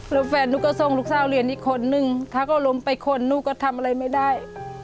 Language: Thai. แล้วแฟนหนูก็ส่งลูกสาวเรียนอีกคนนึงถ้าเขาล้มไปคนหนูก็ทำอะไรไม่ได้